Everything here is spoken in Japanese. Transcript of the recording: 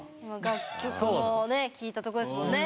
楽曲もね聴いたとこですもんね！